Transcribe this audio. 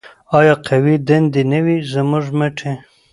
آیا قوي دې نه وي زموږ مټې؟